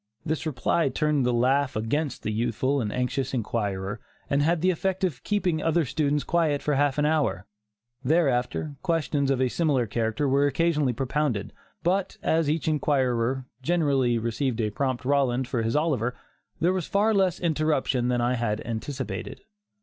This reply turned the laugh against the youthful and anxious inquirer and had the effect of keeping other students quiet for a half hour. Thereafter, questions of a similar character were occasionally propounded, but as each inquirer generally received a prompt Roland for his Oliver, there was far less interruption than I had anticipated.